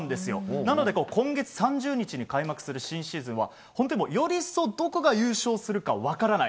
なので今月３０日に開幕する新シーズンは本当により一層どこが優勝するか分からない